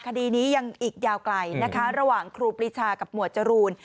คดีนี้ยังอีกยาวไกลนะคะระหว่างครูปรีชากับหมวดจรูน